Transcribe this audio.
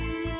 siap ya be